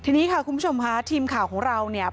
ทีนี้ค่ะคุณผู้ชมค่ะทีมข่าวของเราเนี่ย